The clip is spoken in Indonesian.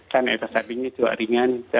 karena efek sampingnya juga ringan